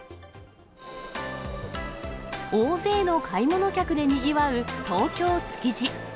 大勢の買い物客でにぎわう東京・築地。